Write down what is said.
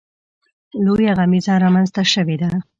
لویه غمیزه رامنځته شوې ده.